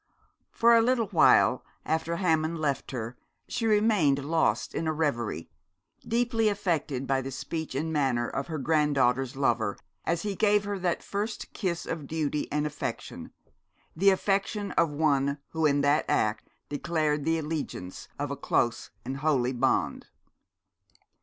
For a little while after Hammond left her she remained lost in a reverie, deeply affected by the speech and manner of her granddaughter's lover, as he gave her that first kiss of duty and affection, the affection of one who in that act declared the allegiance of a close and holy bond.